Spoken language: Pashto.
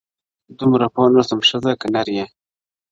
دومره پوه نه سوم ښځه که نر یې!!